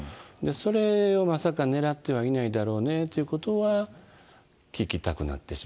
それをまさかねらってはいないだろうねということは、聞きたくな